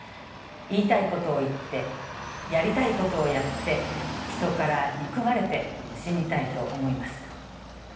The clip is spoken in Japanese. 言いたいことを言って、やりたいことやって、人から憎まれて死にたいと思いますと。